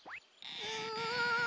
うん。